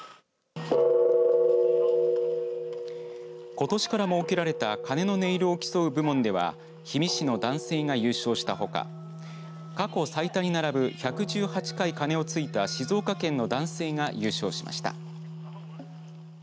ことしから設けられた鐘の音色を競う部門では氷見市の男性が優勝したほか過去最多に並ぶ１１８回鐘をついた静岡県の男性が優勝しました。